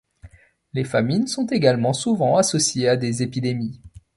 Les famines sont également souvent associées à des épidémies.